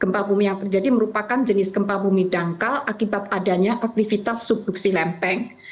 gempa bumi yang terjadi merupakan jenis gempa bumi dangkal akibat adanya aktivitas subduksi lempeng